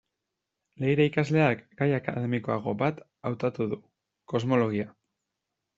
Leire ikasleak, gai akademikoago bat hautatu du: kosmologia.